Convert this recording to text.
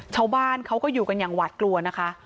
ชาวบ้านเขาก็อยู่กันอย่างหวาดกลัวนะคะ